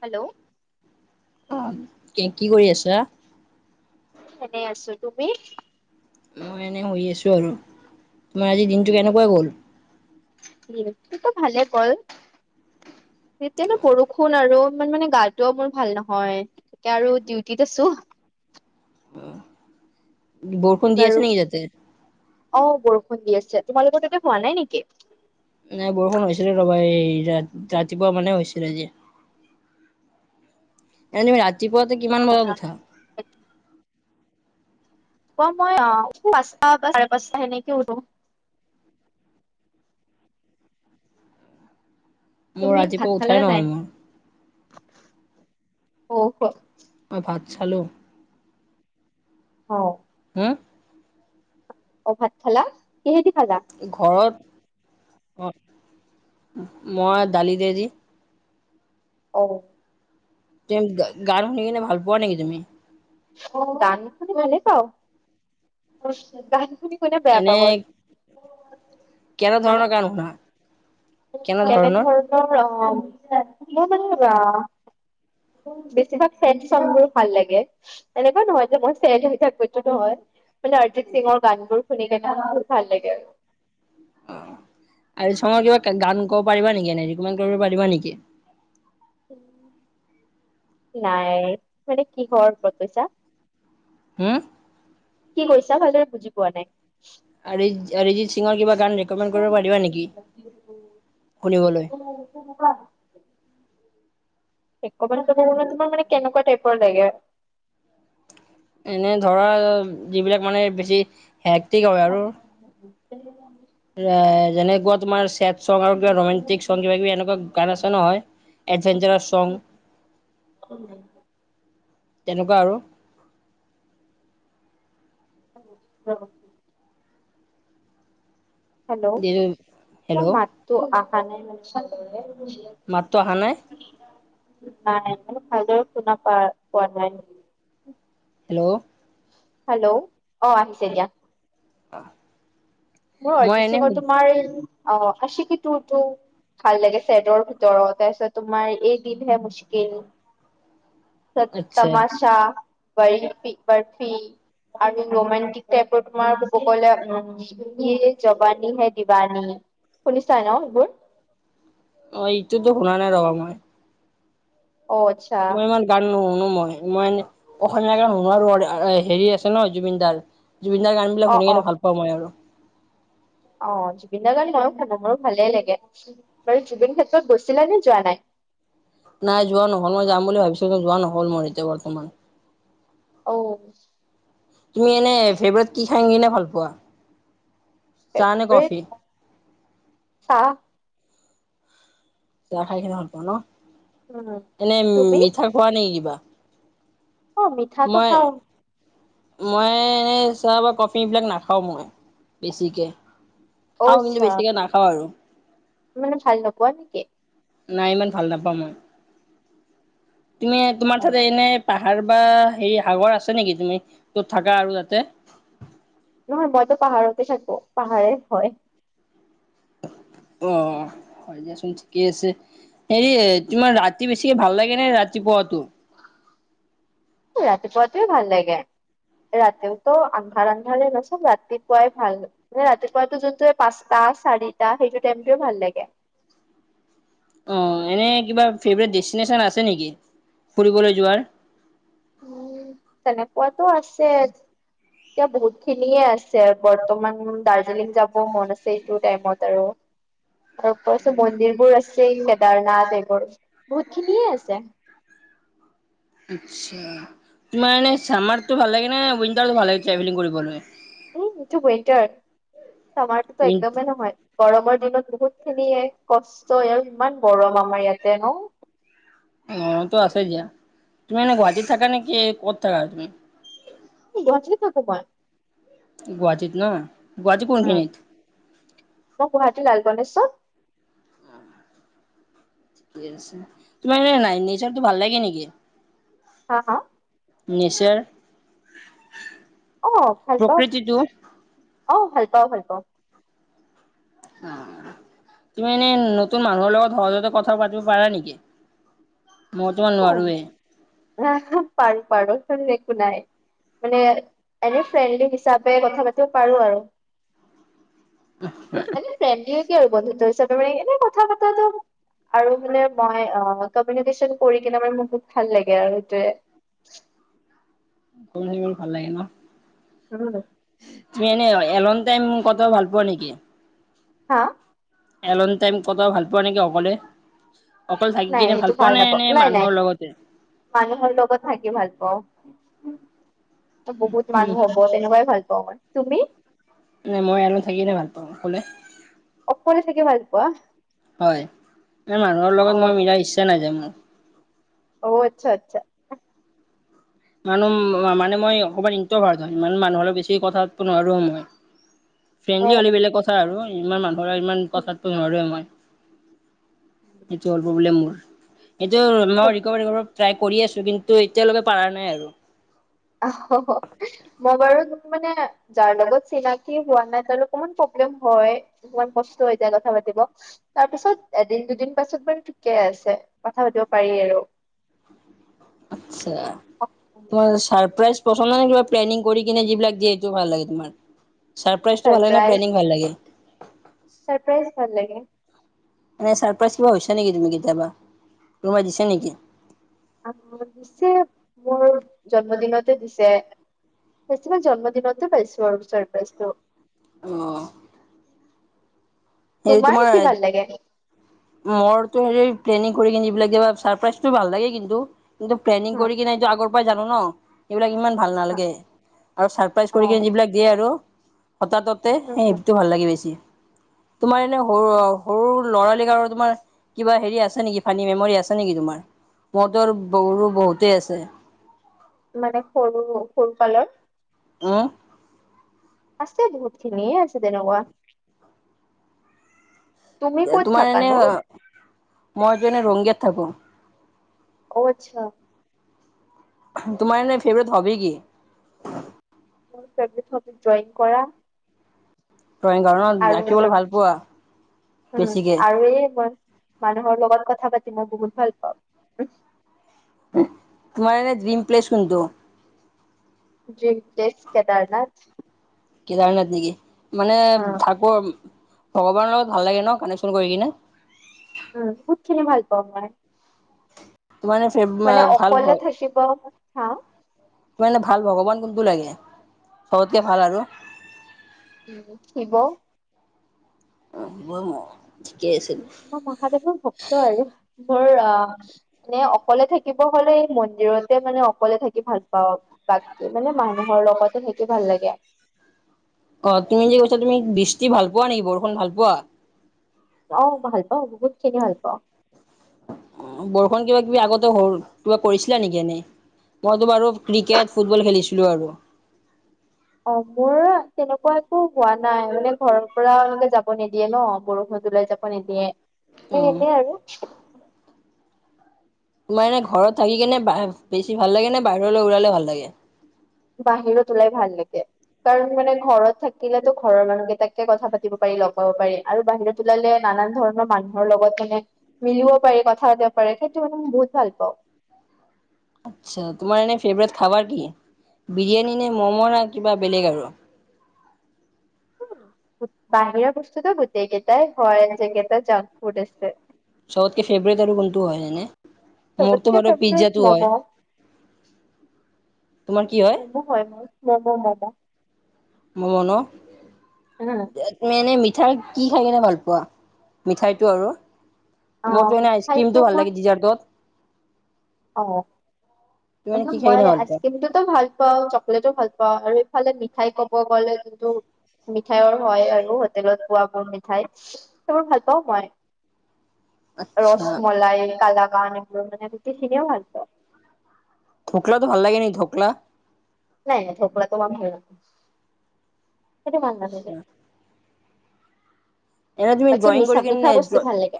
Hello. অ কি কি কৰি আছা? এনে আছো। তুমি? মই এনেই শুই আছো আৰু, তোমাৰ আজি দিনটো কেনেকুৱা গ'ল? [unintelligible] টো ভালে গ'ল। এতিয়ানো বৰষুণ আৰু ইমান মনে গাটোও মোৰ ভাল নহয়। তেতিয়া আৰু ডিউটিত আছো। অ বৰষুণ দি বাৰু আছে নেকি তাতে? অ বৰষুণ দি আছে, তোমালোকৰ তাতে হোৱা নাই নেকি? নাই বৰষুণ হৈছিলে ৰ'বা, এই ৰাত-ৰাতিপুৱা মানে হৈছিলে যে। [inaudible] এনে মনে ৰাতিপুৱাতে কিমান বজাত উঠা? অ মই অ পাঁচটা বা চাৰে পাঁচটা সেনেকে উঠো। মোৰ তুমি ভাত ৰাতিপুৱা খালে উঠাই নে নাই? নহয় মোৰ। অ। অঁ ভাত চালোঁ। অঁ'। হম? অ', ভাত খালা, কিহেদি খালা। ঘৰত, অ' মই দালিতে যি। অ। তুম গান শুনি কিনে ভাল পোৱা নেকি তুমি? অ' গান শুনি ভালে পাওঁ, গান শুনি কোনে বেয়া এনে পাব! [unintelligible] কেনে ধৰণৰ গান শুনা? কেনে ধৰণৰ অঁ', মোৰ মানে আহ বেছিভাগ চেড ছং বোৰ ভাল লাগে। এনেকুৱা নহয় যে মই চেড হৈ থাকো এইটো নহয়। মনে আৰ্জিত সিঙৰ গান বোৰ শুনি কেনে বহুত ভাল লাগে আৰু। অহ, আৰ্জিত চঙৰ কিবা গান ক'ব পাৰিবা নেকি এনে, ৰিকমেণ্ কৰিব পাৰিবা নেকি? নাই মানে কিহৰ ওপৰত কৈছা? হম? কি কৈছা ভাল দৰে বুজি পোৱা নাই। আৰি আৰিজিত সিঙৰ কিবা গান ৰেক'মেণ্ড কৰিব পাৰিবা নেকি? শুনিবলৈ। [unintelligible] ৰেকমেণ্ড কৰিবলে মানে তোমাক মানে কেনেকুৱা টাইপৰ লাগে? এনে ধৰা যিবিলাক মানে বেছি হেক্টিক [inaudible] এ যেনেকোৱা তোমাৰ চেড ছং আৰু কিবা ৰোমেণ্টিক ছং কিবা কিবি এনকুৱা গান আছে নহয়, এডভেঞ্চাৰছ ছং। [unintelligible] [inaudible] তেনকুৱা আৰু। [unintelligible] হেল্ল, তোমাৰ হেল্ল' মাতটো অহা নাই মানে ভালদৰে। মাতটো অহা নাই! নাই, মোৰ ভালৰে শুনা পা পোৱা নাই। হেল্ল'। হেল্ল' অঁ আহিছে দিয়া। অ'। মোৰ অৰিজিত সিঙৰ তোমাৰ অ আছিকি টু টো ভাল লাগে চছেটৰ ভিতৰত, তাৰপিছত তোমাৰ এ দিল হে মুসকিল চত আচ্ছা তমাছা বাৰফি বাৰফি আৰু ৰোমানণ্টিক টাইপৰ তোমাৰ কব গলে উম হি জবানী হে দিবানী, শুনিছা ন এইবোৰ? অঁ ইটোতো শুনা নাই ৰ মই। অ আছ মই ইমান গান নুশুনো মই, মই এনে অসমীয়া গান শুনো আৰু হেৰি আছে ন জুবিন দাৰ। জুবিন দাৰ গানবিলাক অ' শুনি কিনে ভাল পাওঁ মই আৰু। অঁ, জুবিন দাৰ গান মইও শুনো বাৰু ভালে লাগে। বাৰু জুবিন ক্ষেত্ৰত গৈছিলা নে যোৱা নাই? নাই যোৱা নহ'ল মই যাম বুলি ভাবিছিলো, যোৱা নহ'ল মোৰ এতিয়া বৰ্তমান। অ'। তুমি এনে ফেভৰেট কি খাই কিনে ভাল পোৱা? চাহ নে ফেভৰেট কফি? চাহ। চাহ খাই কিনে ভাল পোৱা ন' উম এনে তুমি মিঠা খোৱা নেকি কিবা? অ মিঠাটো মই খাওঁ মই চাহ বা কফিবিলাক নাখাওঁ মই, বেছিকৈ। অ', আচ্ছা, মানে ভাল নপোৱা নেকি? নাই ইমান ভাল নাপাওঁ মই, তুমি অ তোমাৰ অ তাতে এনে পাহাৰ বা হেৰি সাগৰ আছে নেকি তুমি য'ত থাকা আৰু তাতে? নহয় মইতো পাহাৰতে থাকো, পাহাৰে হয়। অ'। হয়, দিয়া চোন ঠিকে আছে, হেৰি তোমাৰ ৰাতি বেছিকে ভাল লাগে নে ৰাতিপুৱাতটো? ৰাতিপুৱাটোৱে ভাল লাগে, ৰাতিতো আন্ধাৰ আন্ধাৰে ন' চ' ৰাতিপুৱাই ভাল। মানে ৰাতিপুৱাটো যোনটো পাঁচটা চাৰিটা সেইটো টাইমটোৱে ভাল লাগে। অ', এনে কিবা ফেভৰেট ডেষ্টিনেশ্যন আছে নেকি, ফুৰিবলৈ যোৱাৰ? উম, তেনেকুৱাটো আছে। এতিয়া বহুত খিনিয়ে আছে, বৰ্তমান দাৰ্জিলিং যাব মন আছে এইটো টাইমত আৰু। তাৰ ওপৰত চোন মন্দিৰ বোৰ আছেই, কেদাৰনাথ এইবোৰ বহুত খিনিয়ে আছে। আচ্ছা, তোমাৰ এনেই ছামাৰটো ভাল লাগে নে, উইণ্টাৰটো ভাল লাগে ট্ৰেভেলিং কৰিবলৈ? উ, এইটো উইন্টাৰ চামাৰটোটো উইন একদমেই নহয়। গৰমৰ দিনত বহুত খিনি কষ্ট আৰু ইমান গৰম আমাৰ ইয়াতে ন'! গৰমতো আছে দিয়া, তুমি এনে গুৱাহাটীত থাকা নেকি ক'ত থাকা তুমি? গুৱাহাটীতে থাকো মই। গুৱাহাটীত ন' গুৱাহাটী কোন উম, খিনিত? মই গুৱাহাটীৰ লাল গণেশ্বত। ঠিকে আছে, তুমাৰ এনেই নেচাৰটো ভাল লাগে নেকি? হা, হা? নেচাৰ? অ', ভাল পাওঁ, প্ৰকৃতিটো অ', ভাল পাও ভাল পাওঁ। অ'। তুমি এনেই নতুন মানুহৰ লগত সহজতে কথা পাতিব পাৰা নেকি? মই তোমাৰ নোৱাৰোঁৱে। হ পাৰো পাৰো [unintelligible] একো নাই। মানে, এনেই ফ্ৰেণ্ডলি হিচাপে কথা পাতিব পাৰো আৰু। এনেই ফ্ৰেনলী কি আৰু বন্ধুত্ব হিচাপে মানে এনে কথা পতাটো, আৰু মানে মই অ', কমউনিকেচন কৰি কেনে মানে মোৰ বহুত ভাল লাগে আৰু সেইটোৱে। [unintelligible] ভাল লাগে ন'? উম। তুমি এনে এলন টাইম কথা ভাল পোৱা নেকি? হা? এলন টাইম কথা ভাল পোৱা নেকি অকলে? অকলে থাকি নাই কিনে সেইটো ভাল পোৱা নে নাপাওঁ এনে নাই নাই মানুহৰ লগতে? মানুহৰ লগত থাকি ভাল পাওঁ, বহুত উম, মানুহৰ তেনেকুৱাই ভাল পাওঁ মই, তুমি? মই এনে থাকি ভাল পাওঁ অকলে। অকলে থাকি ভাল পোৱা? হয়, মই মানুহৰ লগত মই অ', মিলা ইচ্ছা নাযায় মোৰ। অ' আচ্ছা আচ্ছা। মানুহ মানে মই অকমান ইন্ত্ৰভাৰ্ত, মানুহৰ লগত বেছি কথা পাতিব নোৱাৰোঁ মই। ফ্ৰেণ্ডলি অ', হ'লে অ'। বেলেগ কথা আৰু ইমান মানুহৰ লগত ইমান কথা পাতিব নোৱাৰোৱে মই। সেইটো হল প্ৰব্লেম মোৰ, এইটো মই ৰিকভাৰি ট্ৰাই কৰি আছো, কিন্তু এতিয়ালেকে পাৰা নাই আৰু। [unintelligible] মই বাৰু মানে যাৰ লগত চিনাকি হোৱা নাই তাত অকমান প্ৰব্লেম হয়। অকমান কষ্ট হৈ যায় কথা পাতিব। তাৰ পিছত এদিন দুদিন পাছত বাৰু ঠিকে আছে, কথা পাতিব পাৰি আৰু। আচ্ছা। তোমাৰ ছাৰপ্ৰাইজ পছন্দ হয় নে, কিবা প্লেনিং কৰি কিনে যিবিলাক দিয়ে সেইটো ভাল লাগে তোমাৰ? ছাৰপ্ৰাইজটো ভাল লাগে নে, প্লেনিং ভাল লাগে? ছাৰপ্ৰাইজ ভাল লাগে। এনে ছাৰপ্ৰাইজ কিবা হৈছে নেকি তুমি কেতিয়াবা? কোনোবাই দিছা নেকি? আ দিছে, মোৰ জন্মদিনতে দিছে। বেছিভাগ জন্মদিনতে পাইছোঁ আৰু ছাৰপ্ৰাইজটো। অ'। এই তোমাৰ কি ভাল লাগে? মোৰতো হেৰি প্লেনিং কৰি কিনি যিবিলাক, ছাৰপ্ৰাইজটো ভাল লাগে কিন্তু। কিন্তু প্লেনিং হা কৰি কিনি সেইটো আগৰ পাই জানো ন'। সেইবিলাক ইমান ভাল হা নালাগে, আৰু ছাৰপ্ৰাইজ অ কৰি কিনে যিবিলাক দিয়ে আৰু, হঠাৎত। উম সেইটো ভাল লাগে বেছি, তোমাৰ এনে সৰু উম সৰু লৰালি কালৰ তোমাৰ, কিবা হেৰি আছে নেকি, ফানী মেমৰি আছে নেকি তোমাৰ? মুৰটো বাৰু বহুতেই আছে। মানে সৰু সৰুকালৰ। অ'। আছে বহুত খিনিয়ে আছে তেনেকুৱা। তুমি ক'ত তোমাৰ এনে, থাকানো? মইটো এনে ৰংগীয়াত থাকো। অ' আচ্ছা। তোমাৰ এনে ফেভৰেট হবি কি? মোৰ ফেভৰেট হবি ড্ৰয়িং কৰা। ড্ৰয়িং কৰা ন, আৰু এইটো আঁকিবলে ভাল পোৱা? উম' বেছিকে? আৰু এই মই মানুহৰ লগত কথা পাতি মই বহুত ভাল পাওঁ। তোমাৰ এনে ড্ৰীম প্লেছ কোনটো? Dream place Kedarnath. কেদাৰনাথ নেকি, মানে অ ঠাকো। ভগৱানৰ লগত ভাল লাগে ন' কানেকশ্যন কৰি কিনে? উম' বহুত খিনি ভাল পাওঁ মই। তোমাৰ এনে ফেভ মানে ভাল অকলে থাকিব, হা? তোমাৰ এনে ভাল ভগৱান কোনটো লাগে, চবতকে ভাল আৰু? উম শিব, [unintelligible] থিকে আছে। মই মহাদেৱৰ ভক্ত আৰু মোৰ আহ, মানে অকলে থাকিব হলে মন্দিৰতে মানে অকলে থাকি ভাল পাও, বাকী মানে মানুহৰ লগতে থাকি ভাল লাগে। অহ তুমি যে কৈছা তুমি বৃষ্টি ভাল পোৱা নেকি বৰষুণ ভাল পোৱা। অহ ভাল পাওঁ বহুত খিনি ভাল পাওঁ। বৰষুণত কিবা কিবি আগতে হল কিবা কৰিছিলা নেকি এনেই, মইতো বাৰু ক্ৰিকেট ফুটবল খেলিছিলো আৰু অহ মোৰ তেনেকুৱা একো হোৱা নাই মানে ঘৰৰ পৰা যাব নিদিয়ে ন বৰষুণ ওলাই যাব। নিদিয়ে সেই উম একেই আৰু তোমাৰ এনে ঘৰত থাকি কেনে বেছি ভাল লাগে নে বাহিৰলৈ ওলালে ভাল লাগে। বাহিৰত ওলাই ভাল লাগে। কাৰণ মানে ঘৰত থাকিলেতো ঘৰৰ মানুহকেইটাকে কথা পাতিব পাৰি লগ পাব পাৰি আৰু বাহিৰত, ওলালে নানান ধৰণৰ মানুহৰ লগত মানে। মিলিব পাৰি কথা পাতিব পাৰে সেইটো মানে মই বহুত ভাল পাওঁ। আচ্ছা তোমাৰ এনে ফেভৰেট খাবাৰ কি বিৰিয়ানি নে মম না কিবা বেলেগ আৰু বাহিৰৰ বস্তুতো গোটেইকেইটাই হয় যিকেইটা জাংক ফুড আছে। চবতকে ফেভৰেট আৰু কোনটো হয় এনে, মোৰটো চবতকে মানে ফেভৰেট পিজ্জাটো হয় ম'ম' তোমাৰ কি হয়। ম'ম' হয় মোৰ মম মম, মম‌ ন উম। [unintelligible] তুমি এনে মিঠাই কি খাই কিনে ভাল পোৱা মিঠাইটো আৰু মোৰ অ' তো এনে আইচ মিঠাইতো ক্ৰীমটো ভাল লাগে দিজাৰ তত, অহ কি খাই কিনে মই ভাল আইচ পোৱা? ক্ৰীমটটো ভাল পাওঁ। চকলেটো ভাল পাওঁ আৰু ইফালে মিঠাই কব গলে যোনটো। মিঠাইৰ হয় আৰু হোটেলত পোৱাবোৰ মিঠাই সেইবোৰ ভাল পাওঁ মই, আচ্ছা ৰসমলাই কালাগান এইবোৰ মানে এইখিনিও ভাল পাওঁ। ধোকলাটো ভাল লাগে নেকি ধোকলা, নাই নাই ধোকলাটো মই ভাল নাপাও সেইটো মই ভাল নাপাও। এনেই তুমি ড্ৰয়িং মিছা কৰি মিঠা কিনে বস্তু ভাল লাগে।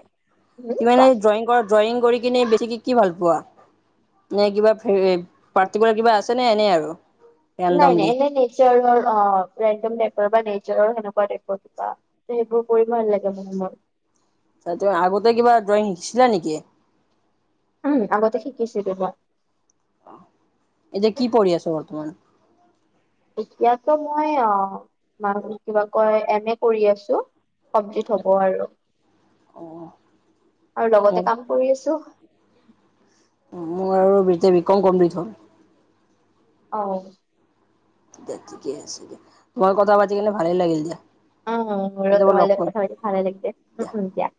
উম কোৱা? এনে ড্ৰয়িং কৰা, ড্ৰয়িং কৰি কিনে বেছি কে কি ভাল পোৱা। নে কিবা পাৰ্টি কৰা কিবা আছে নে এনেই আৰু নাই ৰেণ্ডমলি নাই এনে নেচাৰৰ অহ ৰেডম টাইপৰ বা নেচাৰৰ সেনেকুৱা টাইপৰ কিবা। ত সেইবোৰ কৰিব ভাল লাগে মানে মোৰ তাৰ আগতে কিবা ড্ৰয়িং শিকিছিলা নেকি? উম আগতে শিকিদিলোঁ মই। এতিয়া কি পঢ়ি আছে বৰ্তমান। এতিয়াতো মই অ মান কিবা কয় এম এ কৰি আছো। কমপ্লিট হব আৰু অ আৰু মোৰ লগতে কাম কৰি আছো। মোৰ আৰু বিট বি কম কম কপ্লিট হ'ল। অ, দে ঠিকে আছে দিয়া তোমাৰ কথা পাতি কেনেলে ভালেই লাগিল দিয়া অ মোৰো কেতিয়াবা লগ তোমাল কৰিম কথা পাতি ভালে লাগিল দিয়া